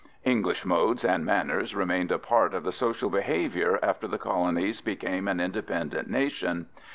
" English modes and manners remained a part of the social behavior after the colonies became an independent nation.